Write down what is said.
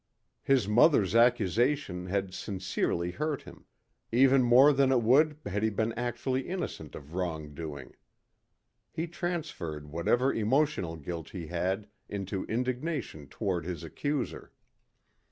His mother's accusation had sincerely hurt him, even more than it would had he been actually innocent of wrong doing. He transferred whatever emotional guilt he had into indignation toward his accuser.